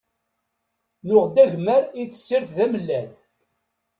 Nuɣ-d agmer i tessirt d amellal.